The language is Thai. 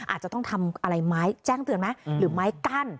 อาจจะต้องทำอะไรไม้แจ้งเตือนไหมหรือไม้กั้น